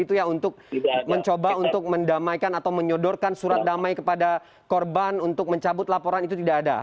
untuk mencoba untuk mendamaikan atau menyodorkan surat damai kepada korban untuk mencabut laporan itu tidak ada